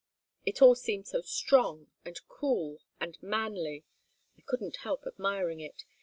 It all seemed so strong, and cool, and manly. I couldn't help admiring it.